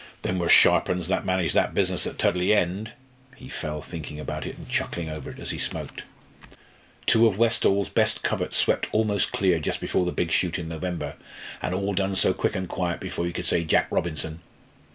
"Them were sharp uns that managed that business at Tudley End!" He fell thinking about it and chuckling over it as he smoked. Two of Westall's best coverts swept almost clear just before the big shoot in November! and all done so quick and quiet, before you could say "Jack Robinson."